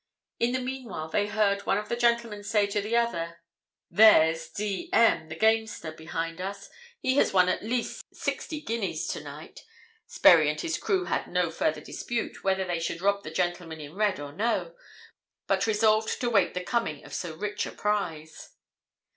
In the meanwhile they heard one of the gentlemen say to the other, There's D M , the Gamester, behind us, he has won at least sixty guineas to night. Sperry and his crew had no further dispute whether they should rob the gentlemen in red or no, but resolved to wait the coming of so rich a prize.